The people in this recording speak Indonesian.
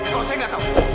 kalau saya gak tahu